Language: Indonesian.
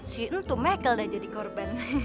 si itu makel udah jadi korban